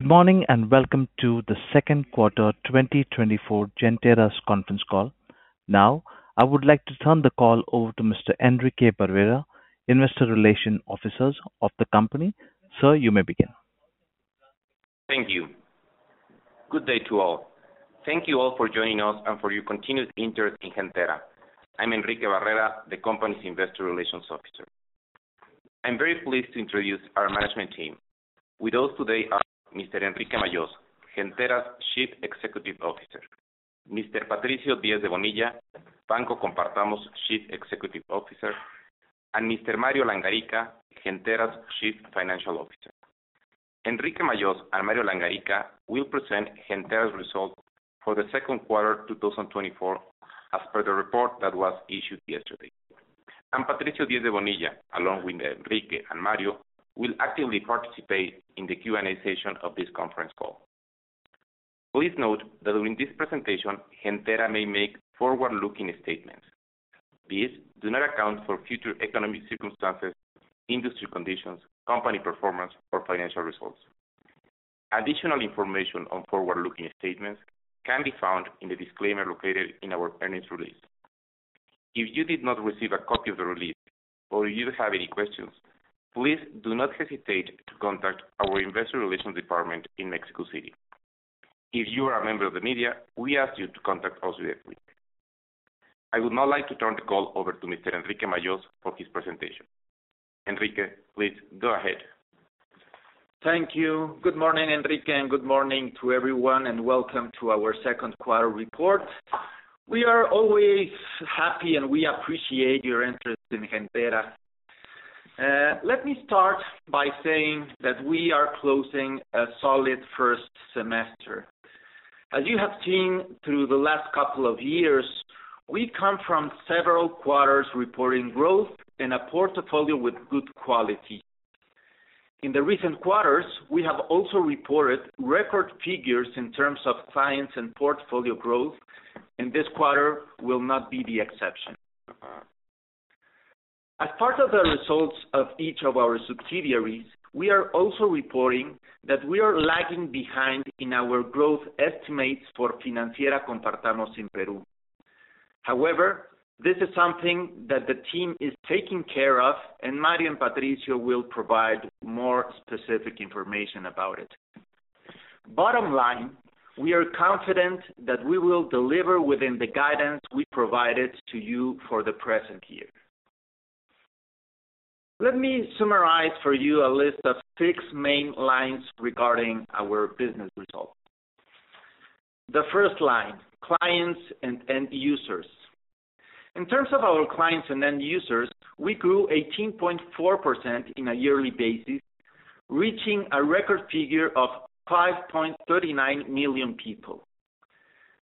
Good morning, and welcome to the second quarter 2024 Gentera's conference call. Now, I would like to turn the call over to Mr. Enrique Barrera, Investor Relations Officer of the company. Sir, you may begin. Thank you. Good day to all. Thank you all for joining us and for your continued interest in Gentera. I'm Enrique Barrera, the company's Investor Relations Officer. I'm very pleased to introduce our management team. With us today are Mr. Enrique Majós, Gentera's Chief Executive Officer; Mr. Patricio Diez de Bonilla, Banco Compartamos Chief Executive Officer; and Mr. Mario Langarica, Gentera's Chief Financial Officer. Enrique Majós and Mario Langarica will present Gentera's results for the second quarter 2024, as per the report that was issued yesterday. Patricio Diez de Bonilla, along with Enrique and Mario, will actively participate in the Q&A session of this conference call. Please note that during this presentation, Gentera may make forward-looking statements. These do not account for future economic circumstances, industry conditions, company performance, or financial results. Additional information on forward-looking statements can be found in the disclaimer located in our earnings release. If you did not receive a copy of the release or you have any questions, please do not hesitate to contact our investor relations department in Mexico City. If you are a member of the media, we ask you to contact us directly. I would now like to turn the call over to Mr. Enrique Majós for his presentation. Enrique, please go ahead. Thank you. Good morning, Enrique, and good morning to everyone, and welcome to our second quarter report. We are always happy, and we appreciate your interest in Gentera. Let me start by saying that we are closing a solid first semester. As you have seen through the last couple of years, we come from several quarters reporting growth and a portfolio with good quality. In the recent quarters, we have also reported record figures in terms of clients and portfolio growth, and this quarter will not be the exception. As part of the results of each of our subsidiaries, we are also reporting that we are lagging behind in our growth estimates for Compartamos Financiera in Peru. However, this is something that the team is taking care of, and Mario and Patricio will provide more specific information about it. Bottom line, we are confident that we will deliver within the guidance we provided to you for the present year. Let me summarize for you a list of six main lines regarding our business results. The first line, clients and end users. In terms of our clients and end users, we grew 18.4% in a yearly basis, reaching a record figure of 5.39 million people.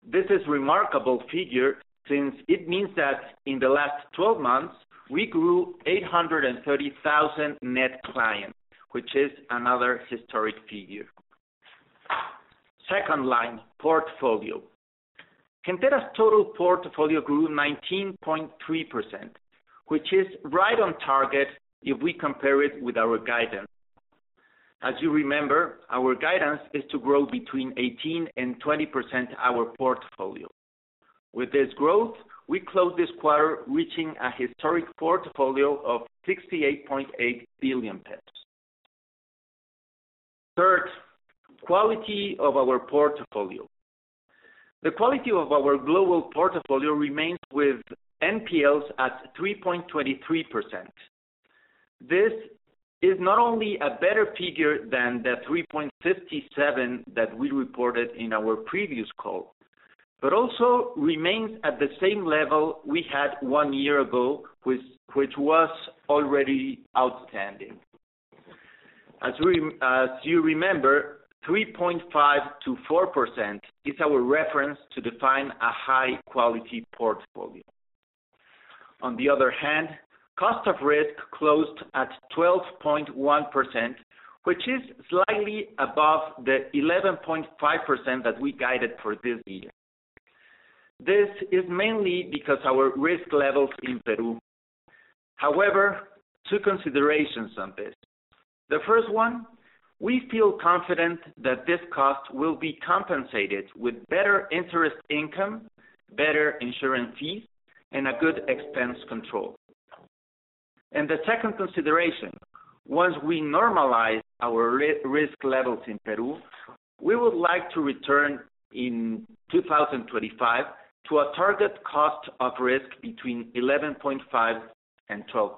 This is remarkable figure, since it means that in the last twelve months, we grew 830,000 net clients, which is another historic figure. Second line, portfolio. Gentera's total portfolio grew 19.3%, which is right on target if we compare it with our guidance. As you remember, our guidance is to grow between 18% and 20% our portfolio. With this growth, we closed this quarter reaching a historic portfolio of 68.8 billion pesos. Third, quality of our portfolio. The quality of our global portfolio remains with NPLs at 3.23%. This is not only a better figure than the 3.57% that we reported in our previous call, but also remains at the same level we had one year ago, which was already outstanding. As you remember, 3.5%-4% is our reference to define a high-quality portfolio. On the other hand, cost of risk closed at 12.1%, which is slightly above the 11.5% that we guided for this year. This is mainly because our risk levels in Peru. However, two considerations on this. The first one, we feel confident that this cost will be compensated with better interest income, better insurance fees, and a good expense control. The second consideration, once we normalize our risk levels in Peru, we would like to return in 2025 to a target cost of risk between 11.5% and 12%.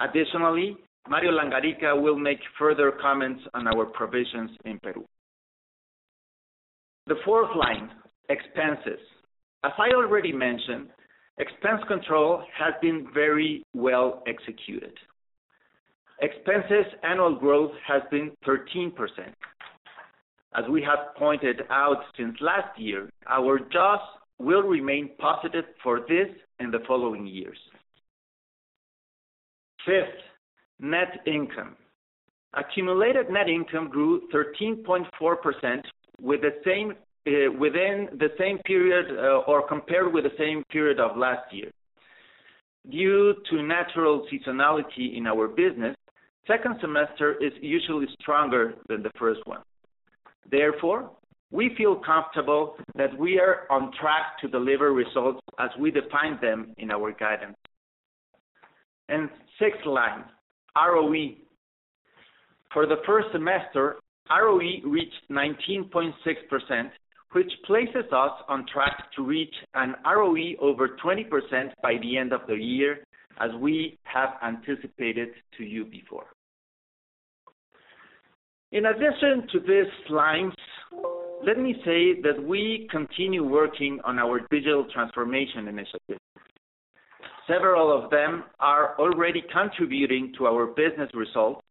Additionally, Mario Langarica will make further comments on our provisions in Peru. The fourth line, expenses. As I already mentioned, expense control has been very well executed. Expenses annual growth has been 13%. As we have pointed out since last year, our jaws will remain positive for this and the following years. Fifth, net income. Accumulated net income grew 13.4%, with the same within the same period or compared with the same period of last year. Due to natural seasonality in our business, second semester is usually stronger than the first one. Therefore, we feel comfortable that we are on track to deliver results as we defined them in our guidance. And sixth line, ROE. For the first semester, ROE reached 19.6%, which places us on track to reach an ROE over 20% by the end of the year, as we have anticipated to you before. In addition to these slides, let me say that we continue working on our digital transformation initiative. Several of them are already contributing to our business results,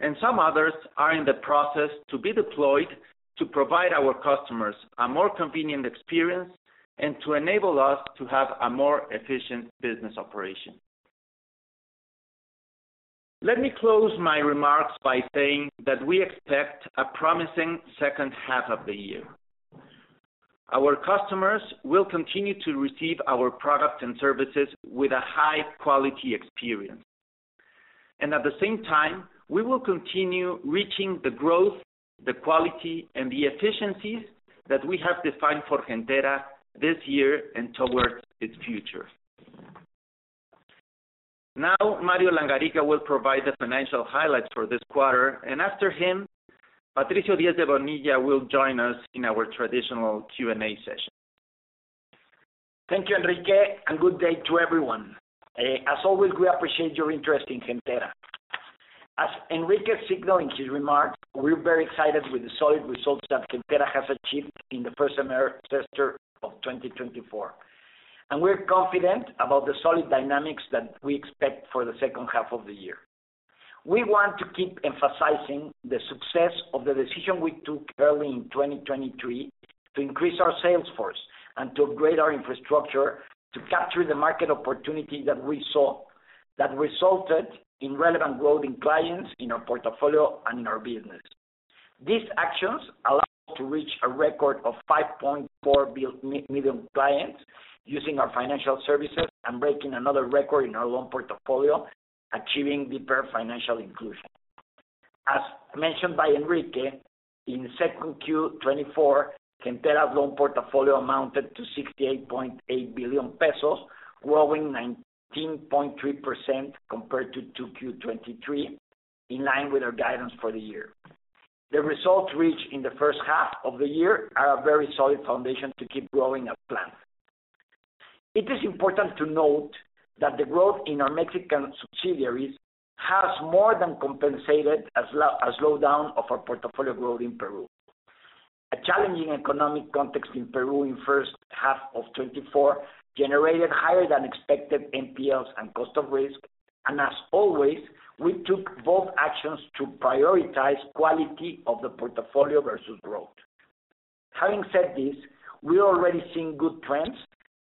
and some others are in the process to be deployed to provide our customers a more convenient experience, and to enable us to have a more efficient business operation. Let me close my remarks by saying that we expect a promising second half of the year. Our customers will continue to receive our products and services with a high-quality experience. At the same time, we will continue reaching the growth, the quality, and the efficiencies that we have defined for Gentera this year and towards its future. Now, Mario Langarica will provide the financial highlights for this quarter, and after him, Patricio Diez de Bonilla will join us in our traditional Q&A session. Thank you, Enrique, and good day to everyone. As always, we appreciate your interest in Gentera. As Enrique signaled in his remarks, we're very excited with the solid results that Gentera has achieved in the first semester of 2024. We're confident about the solid dynamics that we expect for the second half of the year. We want to keep emphasizing the success of the decision we took early in 2023, to increase our sales force and to upgrade our infrastructure to capture the market opportunity that we saw, that resulted in relevant growth in clients, in our portfolio and in our business. These actions allowed us to reach a record of 5.4 million clients using our financial services and breaking another record in our loan portfolio, achieving deeper financial inclusion. As mentioned by Enrique, in 2Q 2024, Gentera's loan portfolio amounted to 68.8 billion pesos, growing 19.3% compared to 2Q 2023, in line with our guidance for the year. The results reached in the first half of the year are a very solid foundation to keep growing as planned. It is important to note that the growth in our Mexican subsidiaries has more than compensated a slowdown of our portfolio growth in Peru. A challenging economic context in Peru in first half of 2024 generated higher than expected NPLs and cost of risk, and as always, we took both actions to prioritize quality of the portfolio versus growth. Having said this, we are already seeing good trends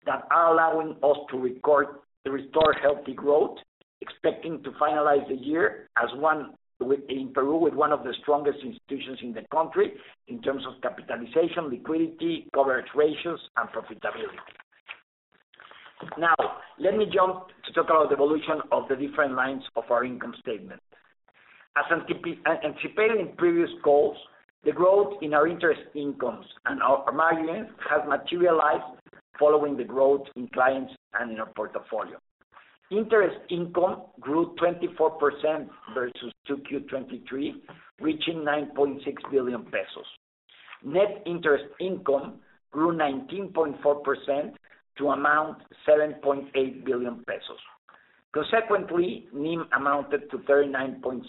that are allowing us to restore healthy growth, expecting to finalize the year as one with, in Peru, with one of the strongest institutions in the country in terms of capitalization, liquidity, coverage ratios, and profitability. Now, let me jump to talk about the evolution of the different lines of our income statement. As anticipated in previous calls, the growth in our interest incomes and our margins has materialized following the growth in clients and in our portfolio. Interest income grew 24% versus 2Q 2023, reaching 9.6 billion pesos. Net interest income grew 19.4% to amount 7.8 billion pesos. Consequently, NIM amounted to 39.6%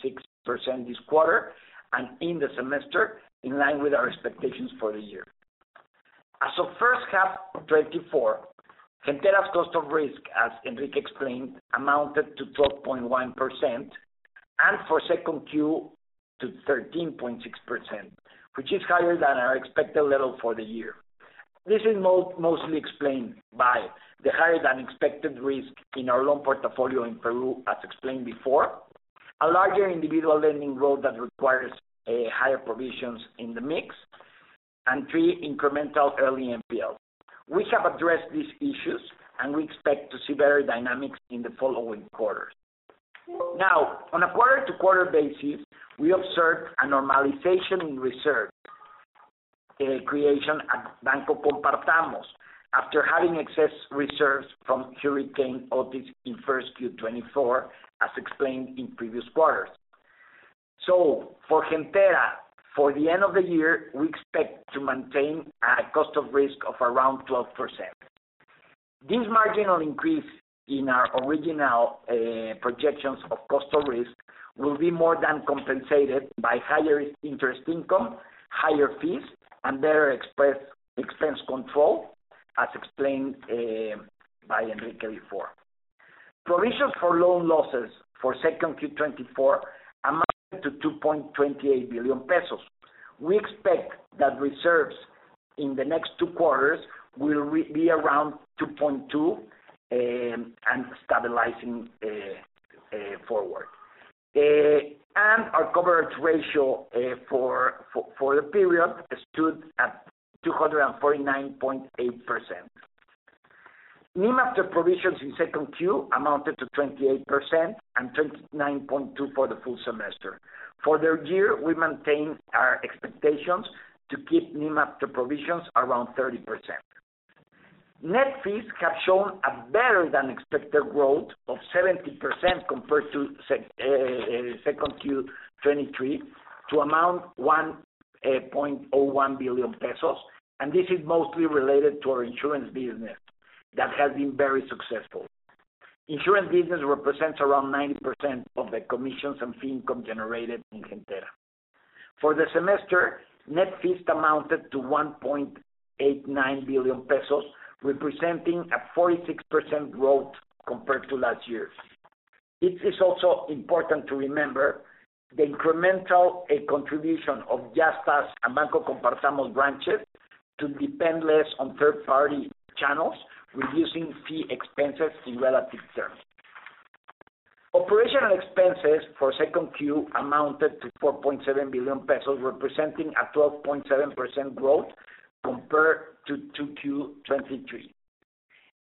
this quarter, and in the semester, in line with our expectations for the year. As of first half of 2024, Gentera's cost of risk, as Enrique explained, amounted to 12.1%, and for 2Q, to 13.6%, which is higher than our expected level for the year. This is mostly explained by the higher-than-expected risk in our loan portfolio in Peru, as explained before, a larger individual lending role that requires higher provisions in the mix, and three, incremental early NPL. We have addressed these issues, and we expect to see better dynamics in the following quarters. Now, on a quarter-to-quarter basis, we observed a normalization in reserve creation at Banco Compartamos, after having excess reserves from Hurricane Otis in 1Q 2024, as explained in previous quarters. So for Gentera, for the end of the year, we expect to maintain a cost of risk of around 12%. This marginal increase in our original projections of cost of risk will be more than compensated by higher interest income, higher fees, and better expense control, as explained by Enrique before. Provisions for loan losses for Q2 2024 amounted to 2.28 billion pesos. We expect that reserves in the next two quarters will be around 2.2 billion and stabilizing forward. And our coverage ratio for the period stood at 249.8%. NIM after provisions in Q2 amounted to 28% and 29.2% for the full semester. For the year, we maintain our expectations to keep NIM after provisions around 30%. Net fees have shown a better-than-expected growth of 70% compared to 2Q 2023, to amount 1.01 billion pesos, and this is mostly related to our insurance business that has been very successful. Insurance business represents around 90% of the commissions and fee income generated in Gentera. For the semester, net fees amounted to 1.89 billion pesos, representing a 46% growth compared to last year. It is also important to remember the incremental contribution of Yastás and Banco Compartamos branches to depend less on third-party channels, reducing fee expenses in relative terms. Operational expenses for 2Q amounted to 4.7 billion pesos, representing a 12.7% growth compared to 2Q 2023.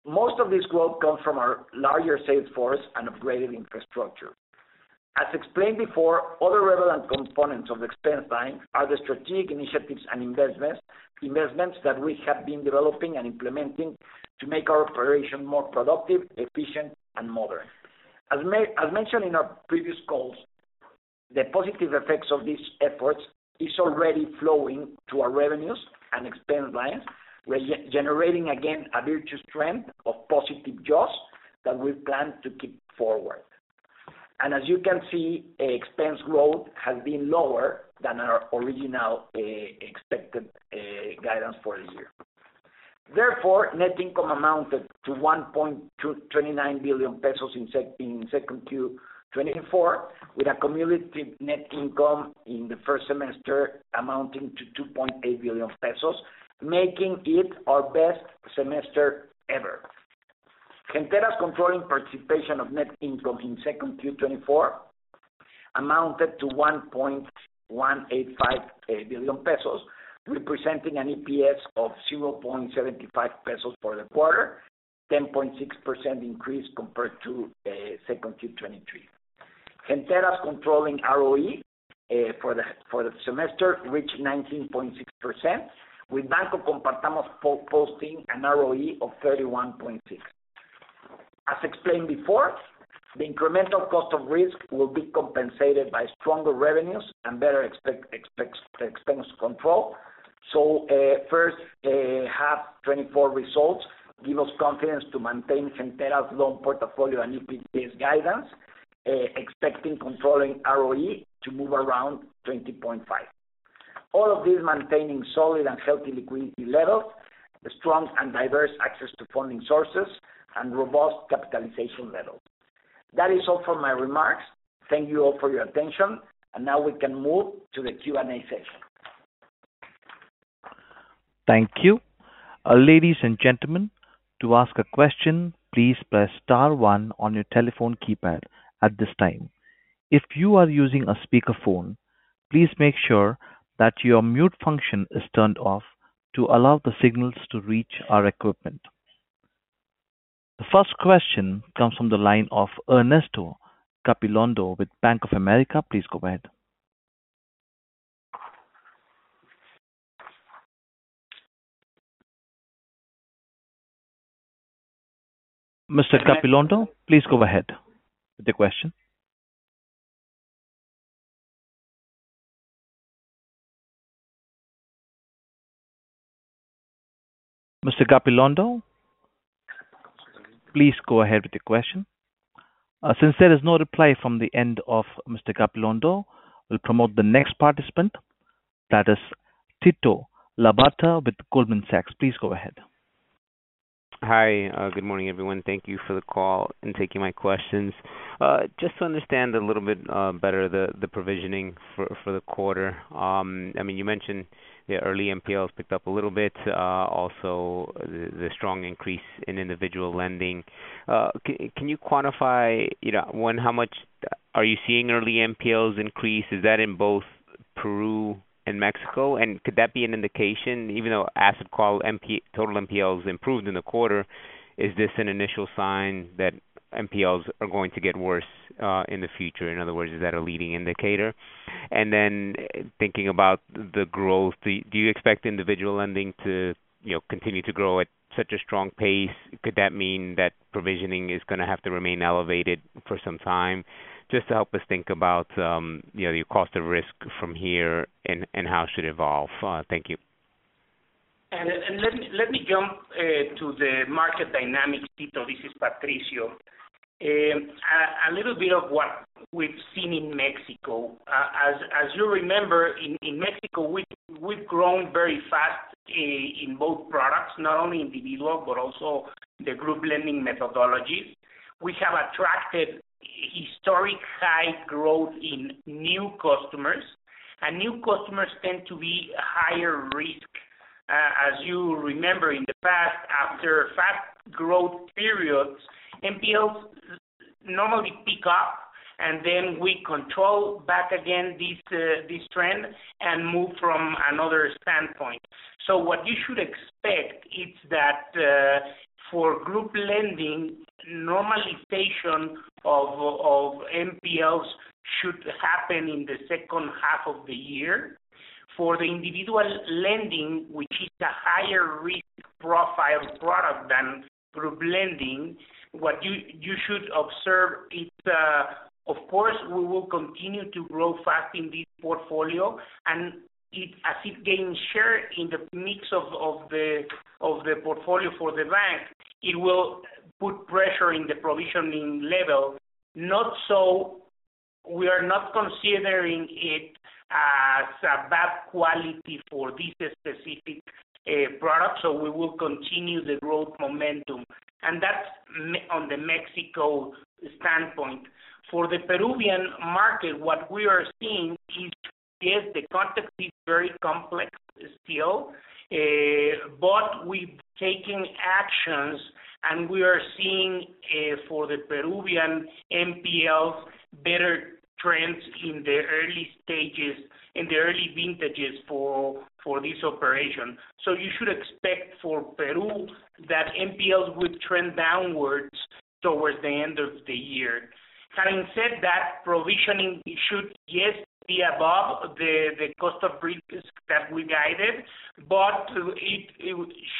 Most of this growth comes from our larger sales force and upgraded infrastructure. As explained before, other relevant components of the expense line are the strategic initiatives and investments, investments that we have been developing and implementing to make our operation more productive, efficient, and modern. As mentioned in our previous calls, the positive effects of these efforts is already flowing to our revenues and expense lines, generating, again, a virtuous trend of positive jaws that we plan to keep forward. As you can see, expense growth has been lower than our original expected guidance for the year. Therefore, net income amounted to 1.229 billion pesos in 2Q 2024, with a cumulative net income in the first semester amounting to 2.8 billion pesos, making it our best semester ever. Gentera's controlling participation of net income in 2Q 2024 amounted to 1.185 billion pesos, representing an EPS of 0.75 pesos for the quarter, 10.6% increase compared to 2Q 2023. Gentera's controlling ROE for the semester reached 19.6%, with Banco Compartamos posting an ROE of 31.6%. As explained before, the incremental cost of risk will be compensated by stronger revenues and better expectations-expense control. First half 2024 results give us confidence to maintain Gentera's loan portfolio and NPLs guidance, expecting controlling ROE to move around 20.5%. All of this maintaining solid and healthy liquidity levels, strong and diverse access to funding sources, and robust capitalization levels. That is all for my remarks. Thank you all for your attention, and now we can move to the Q&A session. Thank you. Ladies and gentlemen, to ask a question, please press star one on your telephone keypad at this time. If you are using a speakerphone, please make sure that your mute function is turned off to allow the signals to reach our equipment. The first question comes from the line of Ernesto Gabilondo with Bank of America. Please go ahead. Mr. Gabilondo, please go ahead with your question. Mr. Gabilondo, please go ahead with your question. Since there is no reply from the end of Mr. Gabilondo, we'll promote the next participant. That is Tito Labarta with Goldman Sachs. Please go ahead. Hi, good morning, everyone. Thank you for the call and taking my questions. Just to understand a little bit better, the provisioning for the quarter. I mean, you mentioned the early NPLs picked up a little bit, also the strong increase in individual lending. Can you quantify, you know, one, how much are you seeing early NPLs increase? Is that in both Peru and Mexico? And could that be an indication, even though asset quality metrics total NPLs improved in the quarter, is this an initial sign that NPLs are going to get worse in the future? In other words, is that a leading indicator? And then thinking about the growth, do you expect individual lending to, you know, continue to grow at such a strong pace? Could that mean that provisioning is gonna have to remain elevated for some time? Just to help us think about, you know, your cost of risk from here and how it should evolve. Thank you. Let me jump to the market dynamics, Tito. This is Patricio. A little bit of what we've seen in Mexico. As you remember, in Mexico, we've grown very fast in both products, not only individual, but also the group lending methodologies. We have attracted historic high growth in new customers, and new customers tend to be higher risk. As you remember in the past, after fast growth periods, NPLs normally pick up, and then we control back again this, this trend and move from another standpoint. So what you should expect is that, for group lending, normalization of NPLs should happen in the second half of the year. For the individual lending, which is the higher risk profile product than group lending, what you should observe is, of course, we will continue to grow fast in this portfolio, and as it gains share in the mix of the portfolio for the bank, it will put pressure in the provisioning level. Not so, we are not considering it as a bad quality for this specific product, so we will continue the growth momentum. And that's me on the Mexico standpoint. For the Peruvian market, what we are seeing is, yes, the context is very complex still, but we've taken actions, and we are seeing, for the Peruvian NPLs, better trends in the early stages, in the early vintages for this operation. So you should expect for Peru, that NPLs would trend downwards towards the end of the year. Having said that, provisioning should, yes, be above the cost of risk that we guided, but it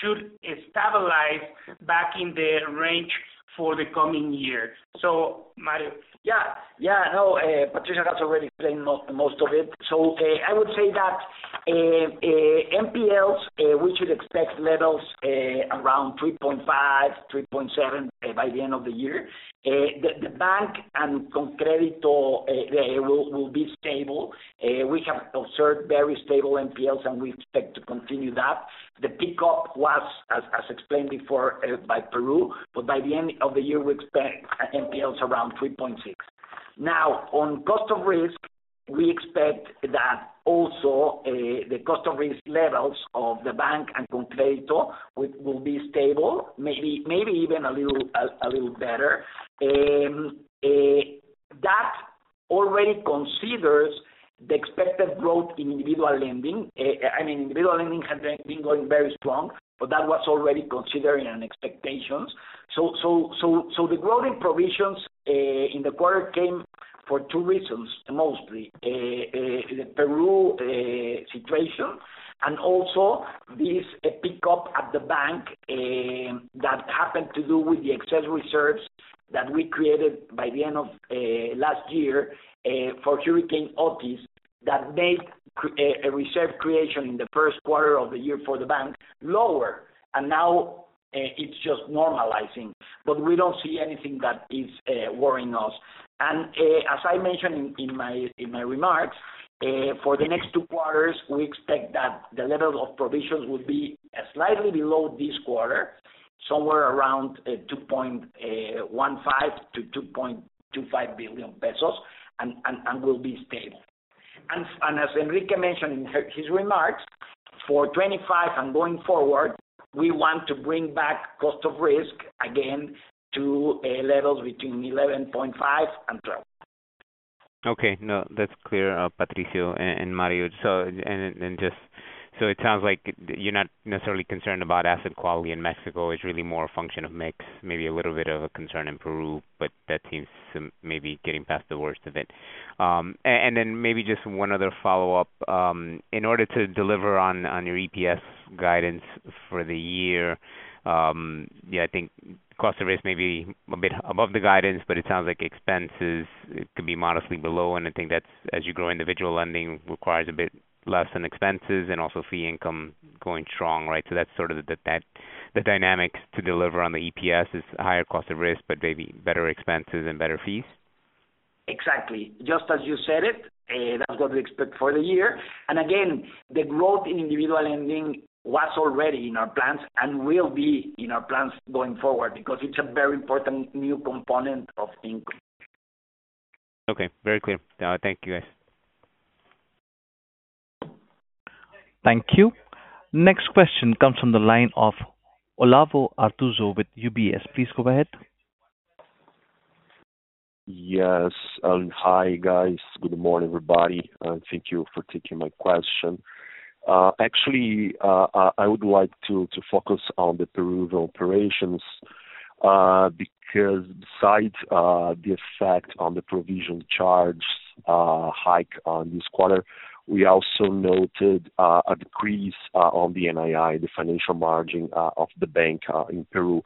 should stabilize back in the range for the coming year. So, Mario? Yeah. Yeah, no, Patricio has already explained most of it. So, I would say that, NPLs, we should expect levels around 3.5%-3.7%, by the end of the year. The bank and ConCrédito, they will be stable. We have observed very stable NPLs, and we expect to continue that. The pickup was, as explained before, by Peru, but by the end of the year, we expect NPLs around 3.6%. Now, on cost of risk, we expect that also, the cost of risk levels of the bank and ConCrédito will be stable, maybe even a little better. That already considers the expected growth in individual lending. I mean, individual lending has been going very strong, but that was already considered in expectations. So, the growth in provisions in the quarter came for two reasons, mostly. The Peru situation, and also this pickup at the bank that happened to do with the excess reserves that we created by the end of last year for Hurricane Otis, that made a reserve creation in the first quarter of the year for the bank lower. And now, it's just normalizing, but we don't see anything that is worrying us. As I mentioned in my remarks, for the next two quarters, we expect that the level of provisions will be slightly below this quarter, somewhere around 2.15 billion-2.25 billion pesos and will be stable. As Enrique mentioned in his remarks, for 2025 and going forward, we want to bring back cost of risk again to levels between 11.5% and 12%. Okay, no, that's clear, Patricio and Mario. So it sounds like you're not necessarily concerned about asset quality in Mexico. It's really more a function of mix, maybe a little bit of a concern in Peru, but that seems some maybe getting past the worst of it. And then maybe just one other follow-up. In order to deliver on your EPS guidance for the year, yeah, I think cost of risk may be a bit above the guidance, but it sounds like expenses, it could be modestly below. And I think that's, as you grow individual lending requires a bit less in expenses and also fee income going strong, right? So that's sort of the dynamic to deliver on the EPS is higher cost of risk, but maybe better expenses and better fees. Exactly. Just as you said it, that's what we expect for the year. Again, the growth in individual lending was already in our plans and will be in our plans going forward, because it's a very important new component of income. Okay, very clear. Thank you, guys. Thank you. Next question comes from the line of Olavo Arthuzo with UBS. Please go ahead. Yes. Hi, guys. Good morning, everybody, and thank you for taking my question. Actually, I would like to focus on the Peru operations, because besides the effect on the provision charge hike on this quarter, we also noted a decrease on the NII, the financial margin, of the bank, in Peru.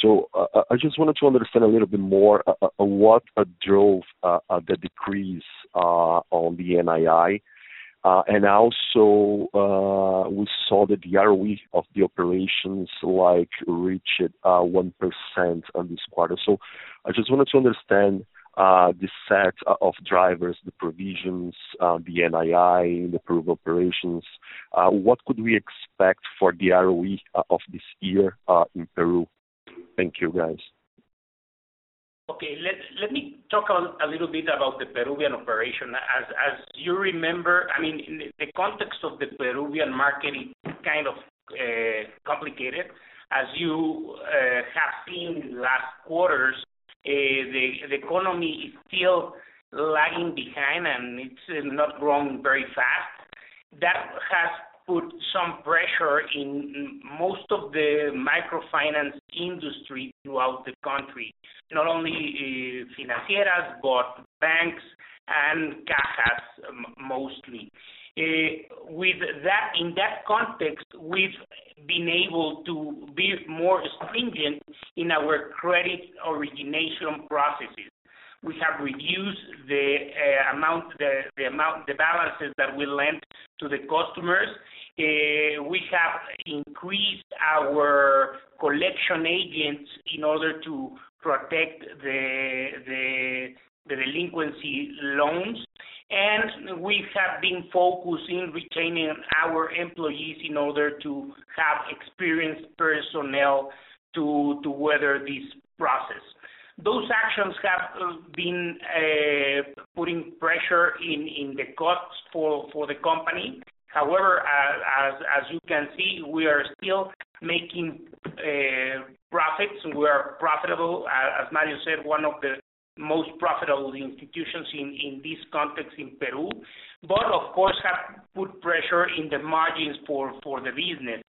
So I just wanted to understand a little bit more on what drove the decrease on the NII. And also, we saw that the ROE of the operations, like, reached 1% on this quarter. So I just wanted to understand the set of drivers, the provisions, the NII, the Peru operations. What could we expect for the ROE of this year, in Peru? Thank you, guys. Okay, let me talk on a little bit about the Peruvian operation. As you remember, I mean, in the context of the Peruvian market, it kind of complicated. As you have seen last quarters, the economy is still lagging behind, and it's not growing very fast. That has put some pressure in most of the microfinance industry throughout the country, not only financieras, but banks and cajas mostly. With that, in that context, we've been able to be more stringent in our credit origination processes. We have reduced the amount, the balances that we lent to the customers, we have increased our collection agents in order to protect the delinquency loans, and we have been focusing retaining our employees in order to have experienced personnel to weather this process. Those actions have been putting pressure in the costs for the company. However, as you can see, we are still making profits. We are profitable, as Mario said, one of the most profitable institutions in this context in Peru, but of course, have put pressure in the margins for the business.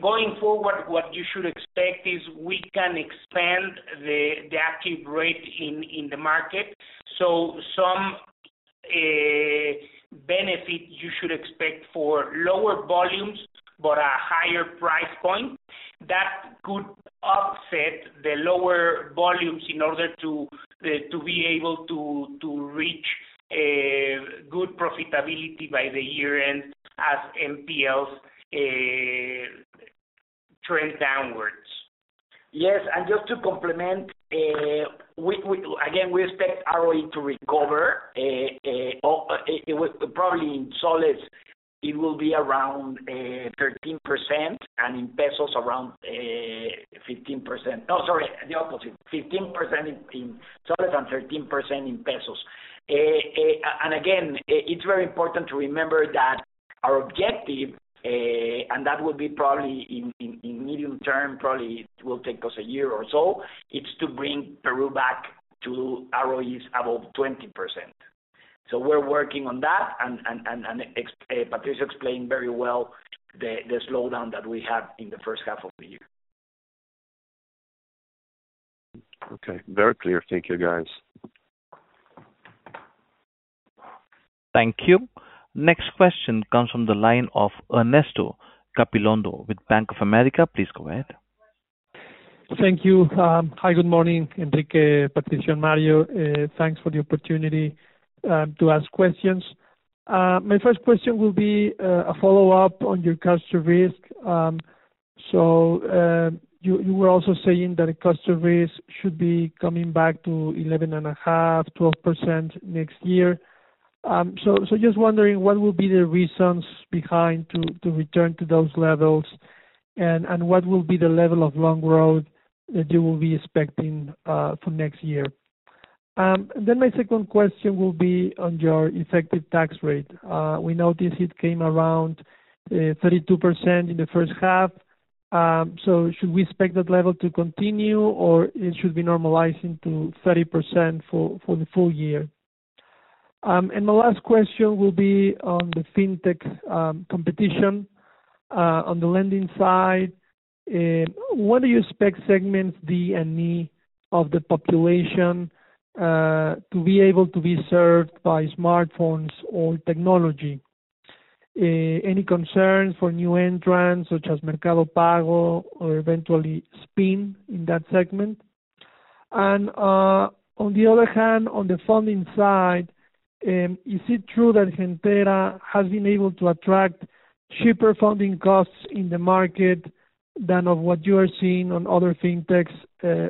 Going forward, what you should expect is we can expand the active rate in the market. So some benefit you should expect for lower volumes, but a higher price point, that could offset the lower volumes in order to be able to reach good profitability by the year-end as NPLs trend downwards. Yes, and just to complement, again, we expect ROE to recover, it was, probably in soles, it will be around 13%, and in pesos, around 15%. No, sorry, the opposite, 15% in soles and 13% in pesos. And again, it's very important to remember that our objective, and that will be probably in medium term, probably it will take us a year or so, it's to bring Peru back to ROEs above 20%. So we're working on that, and Patricio explained very well the slowdown that we had in the first half of the year. Okay, very clear. Thank you, guys. Thank you. Next question comes from the line of Ernesto Gabilondo with Bank of America. Please go ahead. Thank you. Hi, good morning, Enrique, Patricio, and Mario. Thanks for the opportunity to ask questions. My first question will be a follow-up on your cost of risk. So, you were also saying that the cost of risk should be coming back to 11.5%-12% next year. So, just wondering, what will be the reasons behind to return to those levels? And what will be the level of loan growth that you will be expecting for next year? Then my second question will be on your effective tax rate. We noticed it came around 32% in the first half. So should we expect that level to continue, or it should be normalizing to 30% for the full year? And my last question will be on the fintech competition on the lending side. What do you expect segments D and E of the population to be able to be served by smartphones or technology? Any concerns for new entrants, such as Mercado Pago or eventually Spin, in that segment? And on the other hand, on the funding side, is it true that Gentera has been able to attract cheaper funding costs in the market than of what you are seeing on other fintechs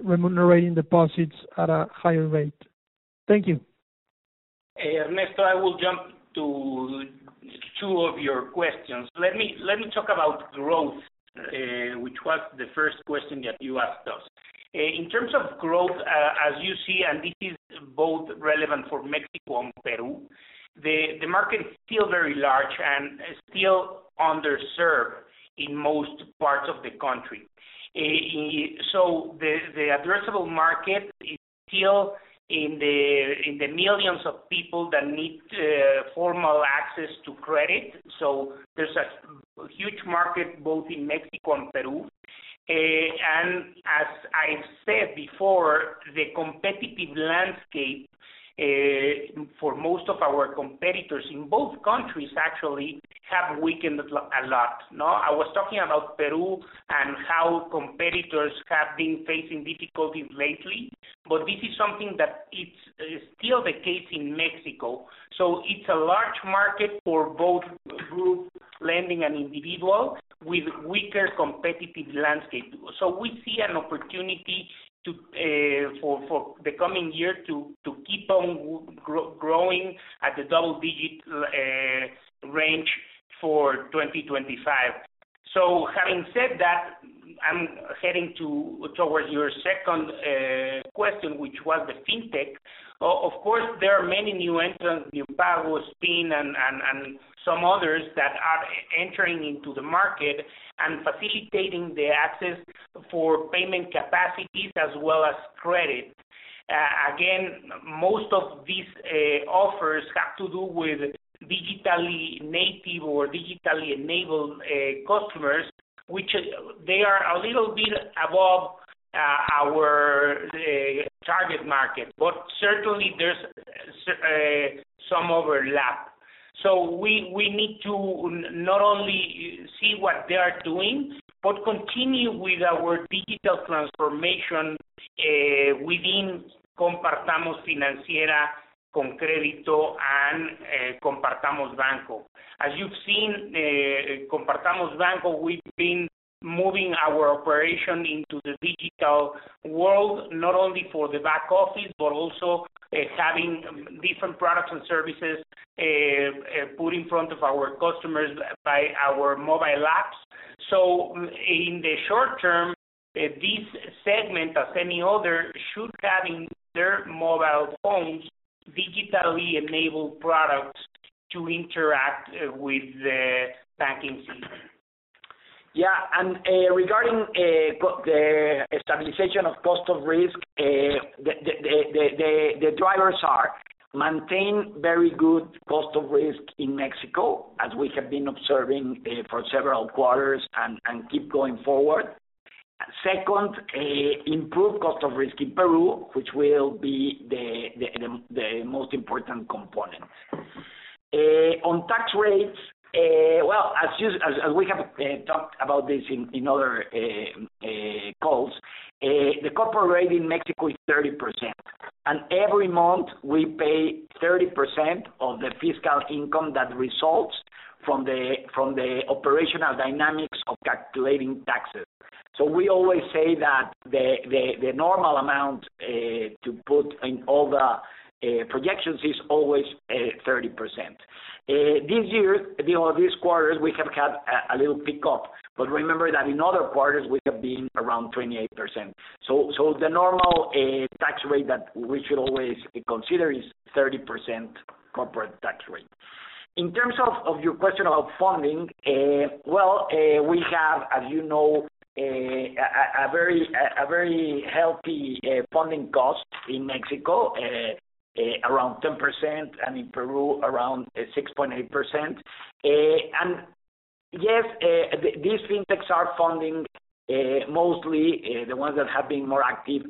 remunerating deposits at a higher rate? Thank you. Ernesto, I will jump to two of your questions. Let me, let me talk about growth, which was the first question that you asked us. In terms of growth, as you see, and this is both relevant for Mexico and Peru, the market is still very large and still underserved in most parts of the country. So the addressable market is still in the millions of people that need formal access to credit, so there's a huge market, both in Mexico and Peru. And as I've said before, the competitive landscape for most of our competitors in both countries actually have weakened a lot, no? I was talking about Peru and how competitors have been facing difficulties lately, but this is something that it's still the case in Mexico. So it's a large market for both group lending and individual, with weaker competitive landscape. So we see an opportunity to for the coming year to keep on growing at the double digit range for 2025. So having said that, I'm heading towards your second question, which was the fintech. Of course, there are many new entrants, Nu, Spin, and some others that are entering into the market and facilitating the access for payment capacities as well as credit. Again, most of these offers have to do with digitally native or digitally enabled customers, which is, they are a little bit above our target market, but certainly there's some overlap. We need to not only see what they are doing, but continue with our digital transformation within Compartamos Financiera, ConCrédito, and Banco Compartamos. As you've seen, Banco Compartamos, we've been moving our operation into the digital world, not only for the back office, but also having different products and services put in front of our customers by our mobile apps. In the short term, this segment, as any other, should have in their mobile phones digitally enabled products to interact with the banking system. Yeah, and regarding the stabilization of cost of risk, the drivers are maintain very good cost of risk in Mexico, as we have been observing for several quarters and keep going forward. Second, improve cost of risk in Peru, which will be the most important component. On tax rates, well, as we have talked about this in other calls, the corporate rate in Mexico is 30%, and every month we pay 30% of the fiscal income that results from the operational dynamics of calculating taxes. So we always say that the normal amount to put in all the projections is always 30%. This year, you know, this quarter, we have had a little pickup, but remember that in other quarters, we have been around 28%. So the normal tax rate that we should always consider is 30% corporate tax rate. In terms of your question about funding, well, we have, as you know, a very healthy funding cost in Mexico, around 10%, and in Peru, around 6.8%. And yes, these fintechs are funding mostly the ones that have been more active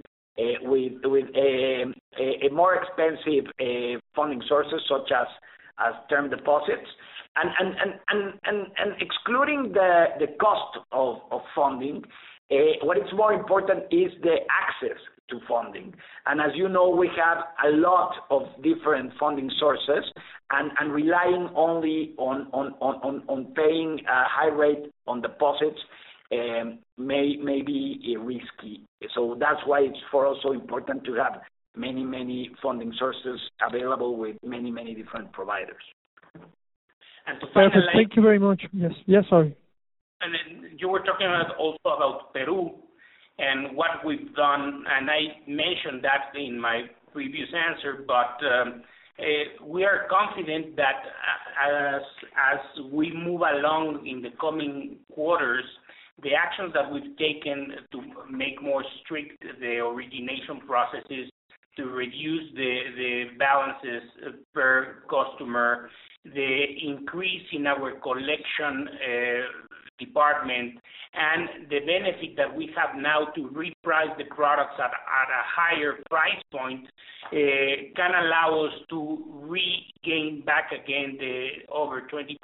with a more expensive funding sources such as term deposits. And excluding the cost of funding, what is more important is the access to funding. And as you know, we have a lot of different funding sources, and relying only on paying a high rate on deposits may be risky. So that's why it's for us, so important to have many, many funding sources available with many, many different providers. And to highlight- Thank you very much. Yes. Yes, sorry. Then you were talking about also about Peru and what we've done, and I mentioned that in my previous answer. But we are confident that as we move along in the coming quarters, the actions that we've taken to make more strict the origination processes, to reduce the balances per customer, the increase in our collection department, and the benefit that we have now to reprice the products at a higher price point can allow us to regain back again the over 20%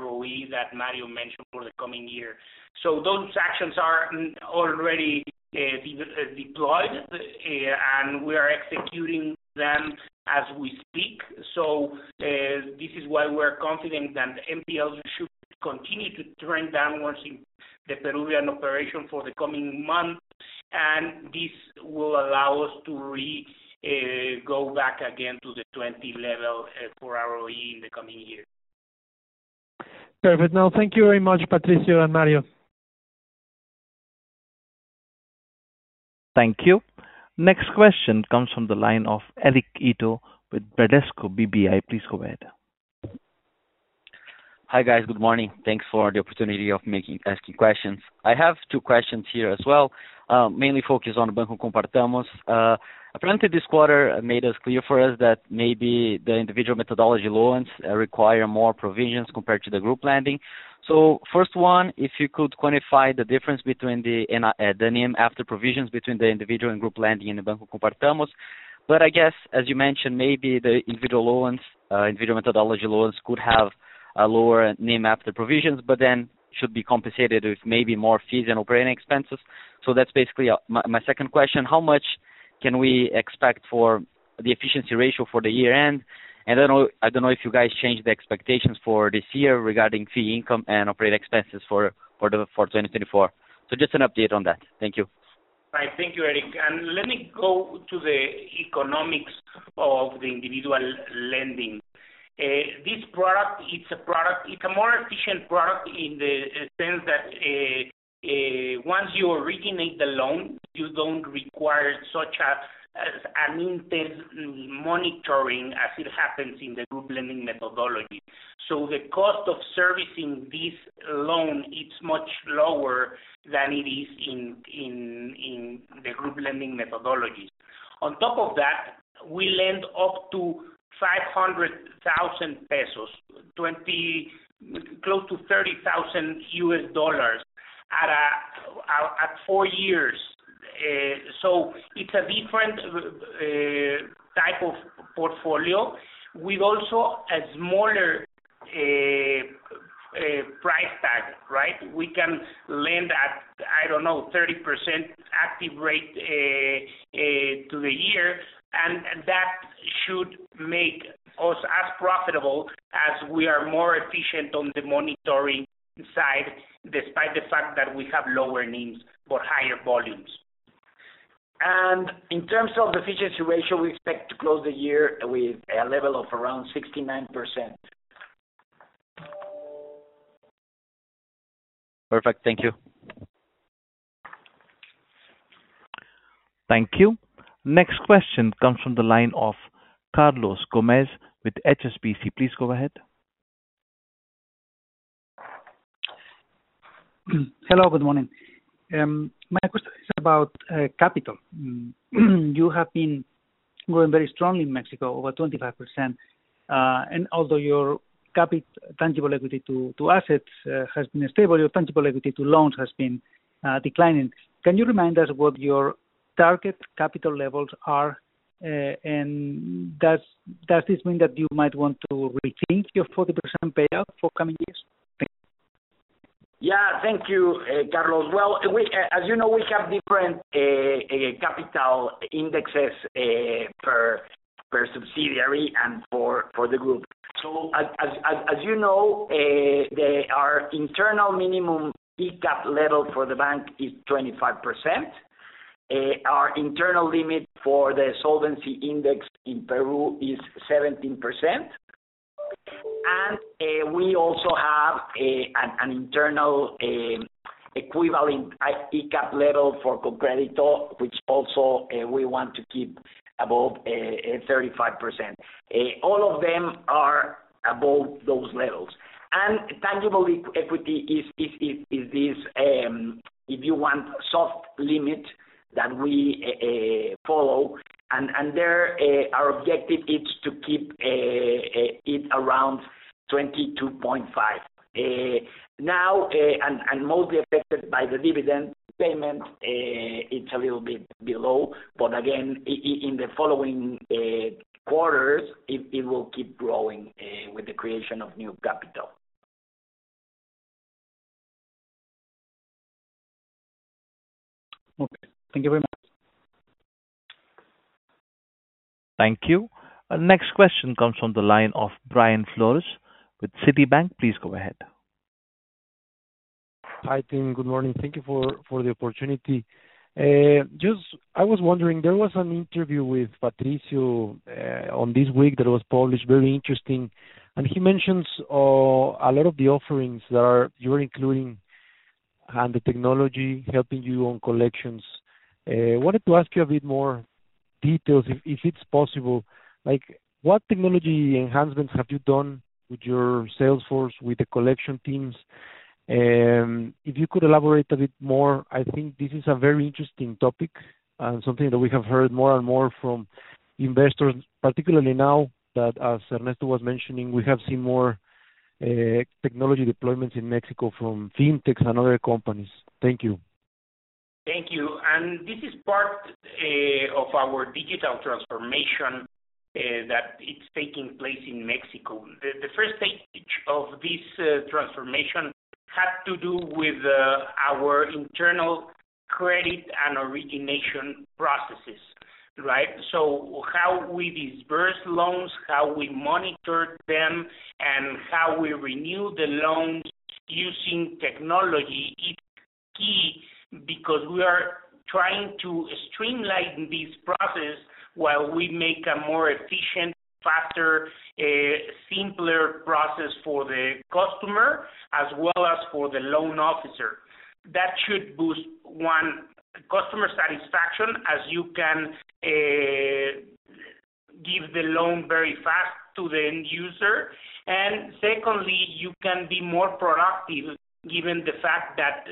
ROE that Mario mentioned for the coming year. So those actions are already deployed, and we are executing them as we speak. So, this is why we're confident that NPLs should continue to trend downwards in the Peruvian operation for the coming months, and this will allow us to go back again to the 20 level for ROE in the coming year. Perfect. Now, thank you very much, Patricio and Mario. Thank you. Next question comes from the line of Eric Ito with Bradesco BBI. Please go ahead. Hi, guys. Good morning. Thanks for the opportunity of asking questions. I have two questions here as well, mainly focused on Banco Compartamos. Apparently, this quarter made it clear for us that maybe the individual methodology loans require more provisions compared to the group lending. So first one, if you could quantify the difference between the NIM after provisions between the individual and group lending in the Banco Compartamos. But I guess, as you mentioned, maybe the individual loans, individual methodology loans could have a lower NIM after the provisions, but then should be compensated with maybe more fees and operating expenses. So that's basically my second question: How much can we expect for the efficiency ratio for the year-end? I don't know, I don't know if you guys changed the expectations for this year regarding fee income and operating expenses for 2024. So just an update on that. Thank you. Right, thank you, Eric. And let me go to the economics of the individual lending. This product, it's a product, it's a more efficient product in the sense that, once you originate the loan, you don't require such as an intense monitoring as it happens in the group lending methodology. So the cost of servicing this loan, it's much lower than it is in the group lending methodologies. On top of that, we lend up to 500,000 pesos, close to $30,000 at 4 years. So it's a different type of portfolio. With also a smaller price tag, right? We can lend at, I don't know, 30% active rate to the year, and, and that should make us as profitable as we are more efficient on the monitoring side, despite the fact that we have lower needs for higher volumes. In terms of efficiency ratio, we expect to close the year with a level of around 69%. Perfect. Thank you. Thank you. Next question comes from the line of Carlos Gómez with HSBC. Please go ahead. Hello, good morning. My question is about capital. You have been growing very strongly in Mexico, over 25%. And although your capital, tangible equity to assets, has been stable, your tangible equity to loans has been declining. Can you remind us what your target capital levels are? And does this mean that you might want to rethink your 40% payout for coming years? Yeah, thank you, Carlos. Well, we, as you know, we have different capital indexes per subsidiary and for the group. So as you know, our internal minimum ECAP level for the bank is 25%. Our internal limit for the solvency index in Peru is 17%. And we also have an internal equivalent ECAP level for ConCrédito, which also we want to keep above 35%. All of them are above those levels. And tangible equity is this, if you want, soft limit that we follow, and there our objective is to keep it around 22.5%. Now, mostly affected by the dividend payment, it's a little bit below, but again, in the following quarters, it will keep growing with the creation of new capital. Okay. Thank you very much. Thank you. Our next question comes from the line of Brian Flores with Citibank. Please go ahead. Hi, team. Good morning. Thank you for the opportunity. I was wondering, there was an interview with Patricio on this week that was published, very interesting. He mentions a lot of the offerings that you're including, and the technology helping you on collections. Wanted to ask you a bit more details, if it's possible. Like, what technology enhancements have you done with your sales force, with the collection teams? If you could elaborate a bit more, I think this is a very interesting topic and something that we have heard more and more from investors, particularly now, that as Ernesto was mentioning, we have seen more technology deployments in Mexico from fintechs and other companies. Thank you. Thank you. This is part of our digital transformation that it's taking place in Mexico. The first stage of this transformation had to do with our internal credit and origination processes, right? So how we disburse loans, how we monitor them, and how we renew the loans using technology, is key because we are trying to streamline this process while we make a more efficient, faster, simpler process for the customer, as well as for the loan officer. That should boost, one, customer satisfaction, as you can give the loan very fast to the end user. And secondly, you can be more proactive given the fact that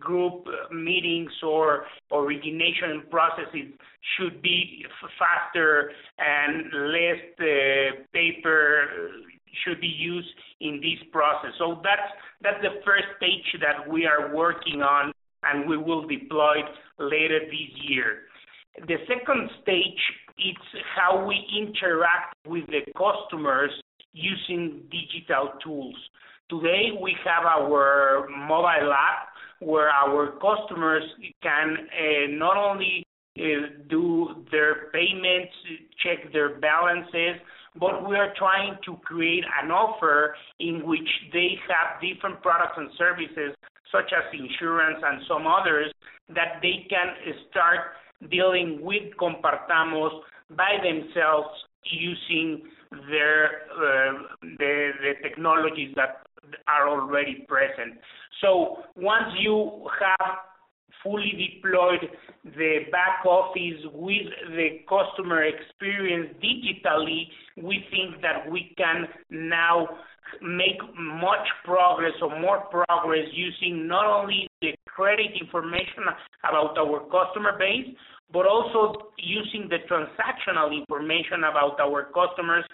group meetings or origination processes should be faster and less paper should be used in this process. So that's the first stage that we are working on, and we will deploy later this year. The second stage, it's how we interact with the customers using digital tools. Today, we have our mobile app, where our customers can not only their payments, check their balances, but we are trying to create an offer in which they have different products and services, such as insurance and some others, that they can start dealing with Compartamos by themselves, using their the technologies that are already present. So once you have fully deployed the back office with the customer experience digitally, we think that we can now make much progress or more progress, using not only the credit information about our customer base, but also using the transactional information about our customers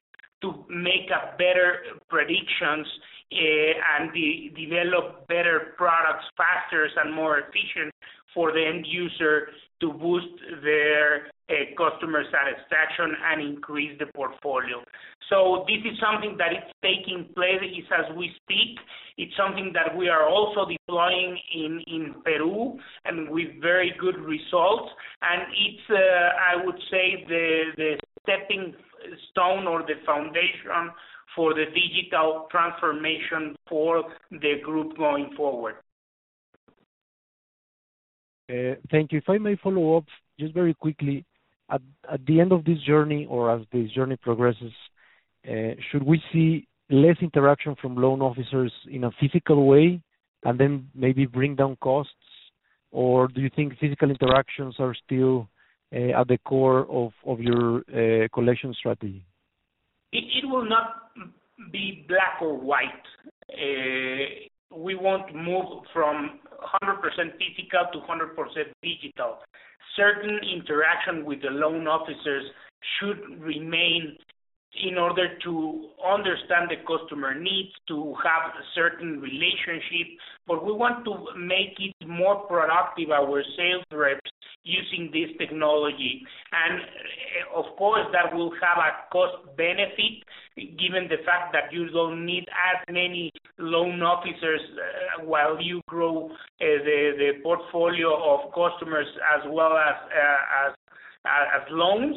to make a better predictions and develop better products faster and more efficient for the end user to boost their customer satisfaction and increase the portfolio. So this is something that is taking place as we speak. It's something that we are also deploying in Peru, and with very good results. And it's, I would say, the stepping stone or the foundation for the digital transformation for the group going forward. Thank you. If I may follow up, just very quickly, at the end of this journey or as this journey progresses, should we see less interaction from loan officers in a physical way, and then maybe bring down costs? Or do you think physical interactions are still at the core of your collection strategy? It will not be black or white. We won't move from 100% physical to 100% digital. Certain interaction with the loan officers should remain in order to understand the customer needs, to have a certain relationship, but we want to make it more productive, our sales reps, using this technology. And, of course, that will have a cost benefit, given the fact that you don't need as many loan officers while you grow the portfolio of customers as well as loans.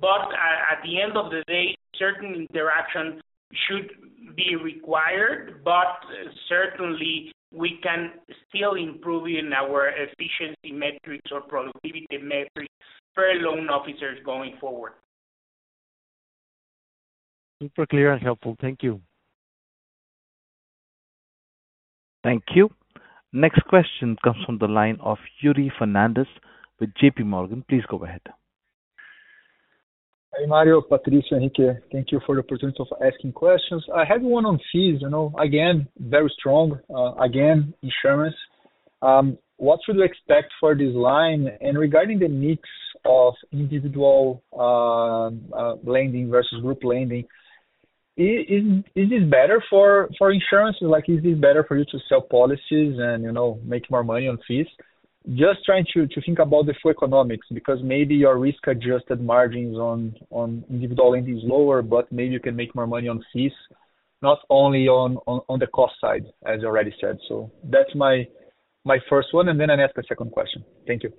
But at the end of the day, certain interaction should be required, but certainly we can still improve in our efficiency metrics or productivity metrics for loan officers going forward. Super clear and helpful. Thank you. Thank you. Next question comes from the line of Yuri Fernandes with JPMorgan. Please go ahead. Hi, Mario, Patricio, Enrique, thank you for the opportunity of asking questions. I have one on fees. You know, again, very strong, again, insurance. What should we expect for this line? And regarding the mix of individual lending versus group lending, is this better for insurance? Like, is this better for you to sell policies and, you know, make more money on fees? Just trying to think about the full economics, because maybe your risk-adjusted margins on individual lending is lower, but maybe you can make more money on fees, not only on the cost side, as you already said. So that's my first one, and then I'll ask a second question. Thank you.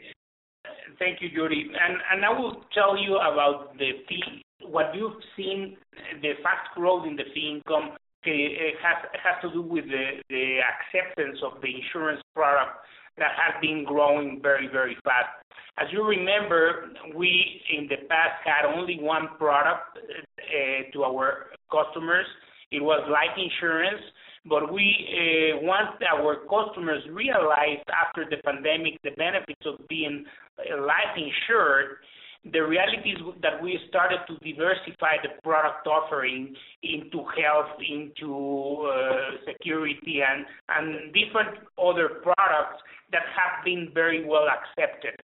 Thank you, Yuri. I will tell you about the fee. What you've seen, the fast growth in the fee income, it has to do with the acceptance of the insurance product that has been growing very, very fast. As you remember, we, in the past, had only one product to our customers. It was life insurance, but we, once our customers realized, after the pandemic, the benefits of being life insured, the reality is that we started to diversify the product offering into health, into security, and different other products that have been very well accepted.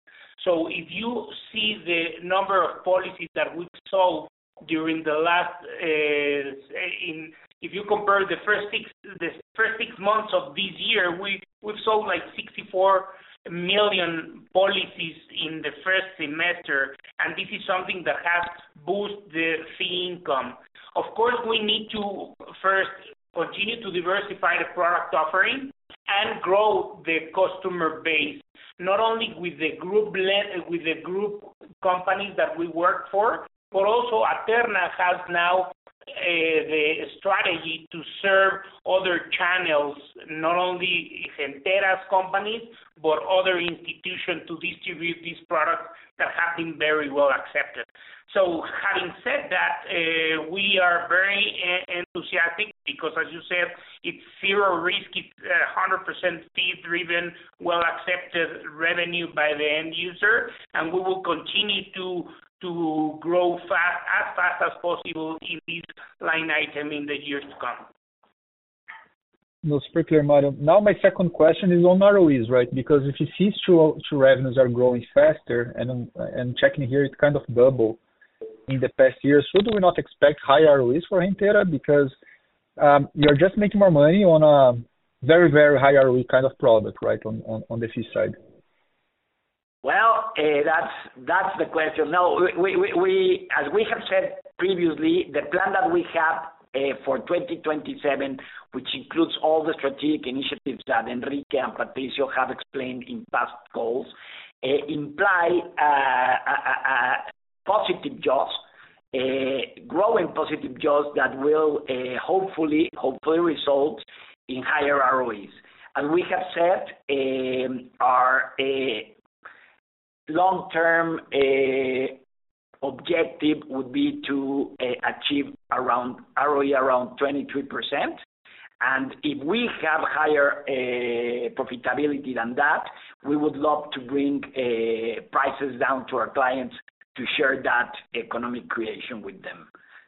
So if you see the number of policies that we've sold during the last in... If you compare the first six months of this year, we've sold, like, 64 million policies in the first semester, and this is something that has boosted the fee income. Of course, we need to first continue to diversify the product offering and grow the customer base, not only with the group companies that we work for, but also Aterna has now the strategy to serve other channels, not only Gentera's companies, but other institutions to distribute these products that have been very well accepted. So having said that, we are very enthusiastic, because as you said, it's zero risk, it's 100% fee-driven, well-accepted revenue by the end user, and we will continue to grow fast, as fast as possible in this line item in the years to come. Most clear, Mario. Now, my second question is on ROEs, right? Because if you see through revenues are growing faster and checking here, it's kind of double in the past years. So do we not expect high ROEs for Gentera? Because you're just making more money on a very, very high ROE kind of product, right on the fee side. Well, that's the question. No, we—as we have said previously, the plan that we have for 2027, which includes all the strategic initiatives that Enrique and Patricio have explained in past calls, imply positive jaws, growing positive jaws that will hopefully result in higher ROEs. And we have said our long-term objective would be to achieve around ROE around 23%, and if we have higher profitability than that, we would love to bring prices down to our clients to share that economic creation with them.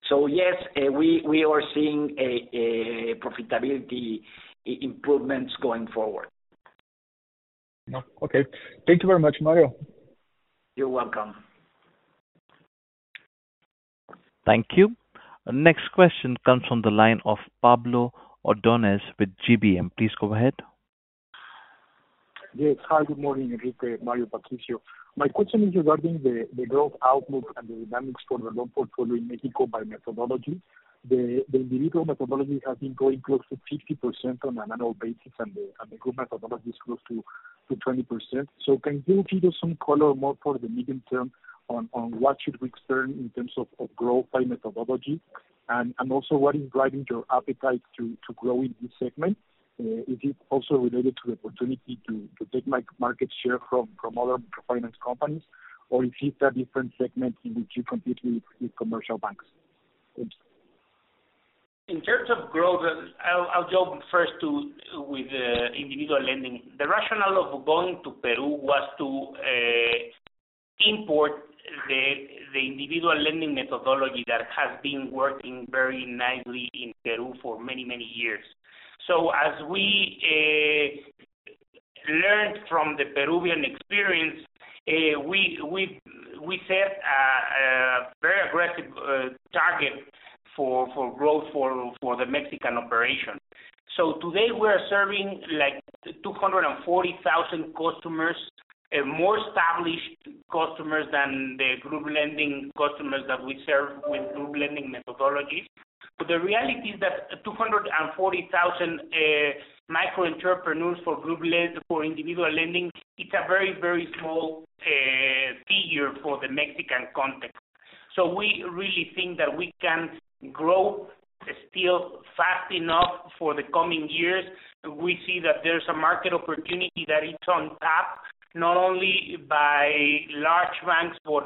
So yes, we are seeing profitability improvements going forward. Oh, okay. Thank you very much, Mario. You're welcome. Thank you. Next question comes from the line of Pablo Ordóñez with GBM. Please go ahead. Yes. Hi, good morning, Enrique, Mario, Patricio. My question is regarding the growth outlook and the dynamics for the loan portfolio in Mexico by methodology. The individual methodology has been growing close to 50% on an annual basis, and the group methodology is close to 20%. So can you give us some color more for the medium term on what should we expect in terms of growth by methodology? And also, what is driving your appetite to grow in this segment? Is it also related to the opportunity to take market share from other microfinance companies, or is it a different segment in which you compete with commercial banks? Thanks. In terms of growth, I'll jump first to individual lending. The rationale of going to Peru was to import the individual lending methodology that has been working very nicely in Peru for many, many years. So as we learned from the Peruvian experience, we set a very aggressive target for growth for the Mexican operation. So today we are serving, like, 240,000 customers, more established customers than the group lending customers that we serve with group lending methodologies. But the reality is that 240,000 micro entrepreneurs for individual lending, it's a very, very small figure for the Mexican context. So we really think that we can grow still fast enough for the coming years. We see that there's a market opportunity that is on tap, not only by large banks or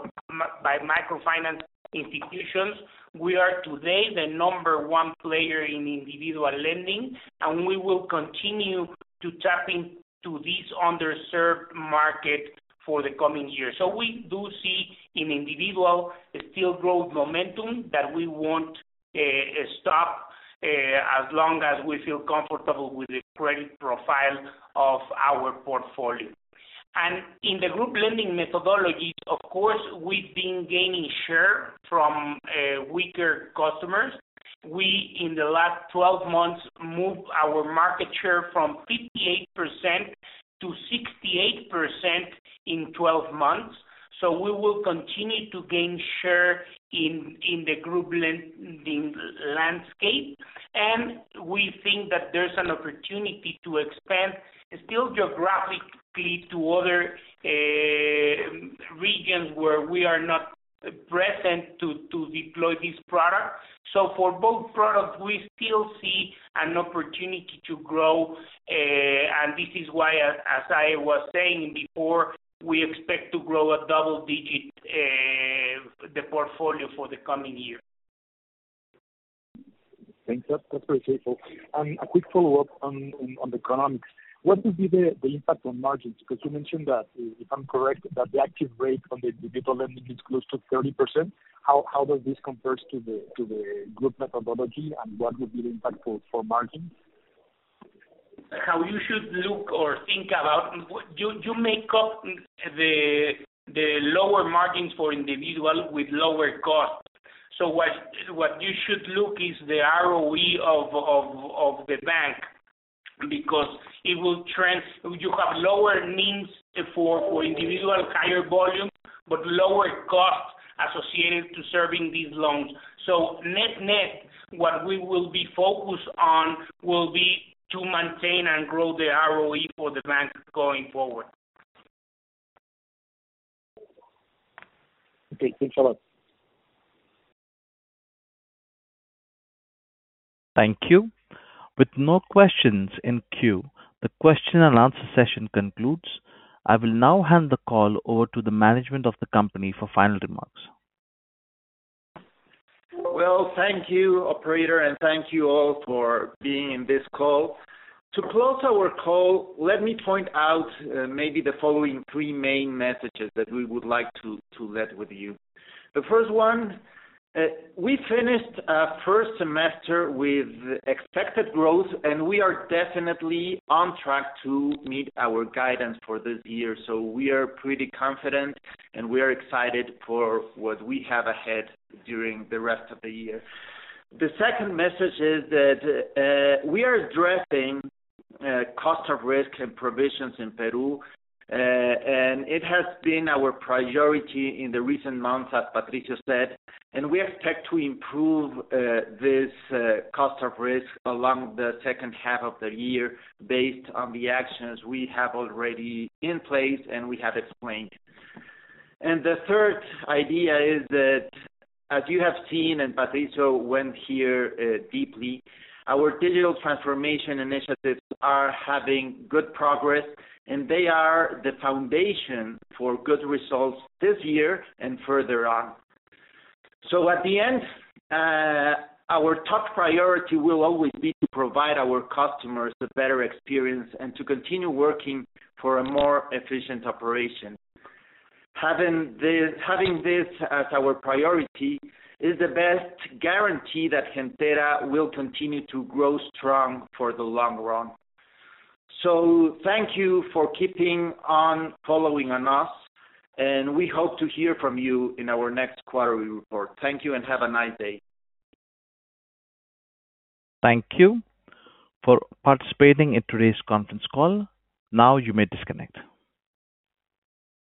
by microfinance institutions. We are today the number one player in individual lending, and we will continue to tap into this underserved market for the coming years. So we do see in individual still growth momentum that we won't stop, as long as we feel comfortable with the credit profile of our portfolio. And in the group lending methodologies, of course, we've been gaining share from weaker customers. We, in the last 12 months, moved our market share from 58%-68% in 12 months, so we will continue to gain share in the group lending landscape. And we think that there's an opportunity to expand still geographically to other regions where we are not present to deploy this product. So for both products, we still see an opportunity to grow, and this is why, as, as I was saying before, we expect to grow a double-digit, the portfolio for the coming year. Thanks. That's very helpful. And a quick follow-up on the economics. What will be the impact on margins? Because you mentioned that, if I'm correct, that the active rate on the individual lending is close to 30%. How does this compares to the group methodology, and what would be the impact for margins? How you should look or think about, you make up the lower margins for individual with lower costs. So what you should look is the ROE of the bank, because it will, you have lower needs for individual, higher volume, but lower costs associated to serving these loans. So net-net, what we will be focused on will be to maintain and grow the ROE for the bank going forward. Okay, thanks a lot. Thank you. With no questions in queue, the question-and-answer session concludes. I will now hand the call over to the management of the company for final remarks. Well, thank you, operator, and thank you all for being in this call. To close our call, let me point out maybe the following three main messages that we would like to leave with you. The first one, we finished a first semester with expected growth, and we are definitely on track to meet our guidance for this year. So we are pretty confident, and we are excited for what we have ahead during the rest of the year. The second message is that, we are addressing cost of risk and provisions in Peru, and it has been our priority in the recent months, as Patricio said, and we expect to improve this cost of risk along the second half of the year based on the actions we have already in place and we have explained. And the third idea is that, as you have seen, and Patricio went here deeply, our digital transformation initiatives are having good progress, and they are the foundation for good results this year and further on. So at the end, our top priority will always be to provide our customers a better experience and to continue working for a more efficient operation. Having this, having this as our priority is the best guarantee that Gentera will continue to grow strong for the long run. So thank you for keeping on following on us, and we hope to hear from you in our next quarterly report. Thank you, and have a nice day. Thank you for participating in today's conference call. Now you may disconnect.